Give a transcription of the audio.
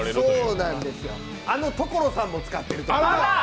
あの所さんも使っている。